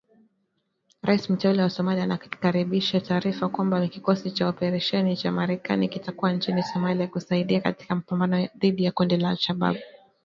Rais mteule wa Somalia anakaribisha taarifa kwamba kikosi cha operesheni cha Marekani kitakuwa nchini Somalia kusaidia katika mapambano dhidi ya kundi la al Shabaab